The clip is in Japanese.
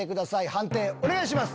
判定お願いします！